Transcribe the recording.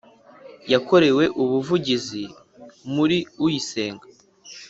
Yakorewe ubuvugizi muri uyisenga